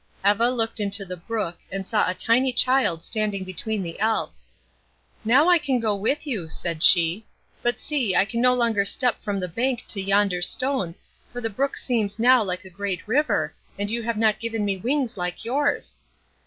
Eva looked into the brook, and saw a tiny child standing between the Elves. "Now I can go with you," said she, "but see, I can no longer step from the bank to yonder stone, for the brook seems now like a great river, and you have not given me wings like yours."